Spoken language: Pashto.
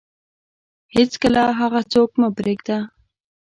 هیڅکله هغه څوک مه پرېږده